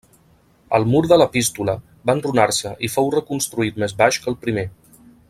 El mur de l'epístola va enrunar-se i fou reconstruït més baix que el primer.